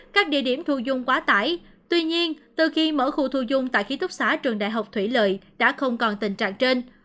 các địa điểm thu dung quá tải tuy nhiên từ khi mở khu thu dung tại ký túc xá trường đại học thủy lợi đã không còn tình trạng trên